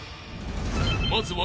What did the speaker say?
［まずは］